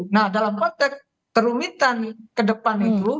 nah dalam konteks kerumitan ke depan itu